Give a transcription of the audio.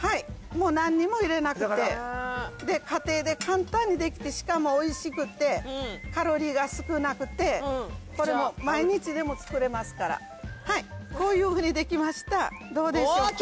もう何も入れなくて家庭で簡単にできてしかも美味しくてカロリーが少なくてこれははいこういうふうにできましたどうでしょうか？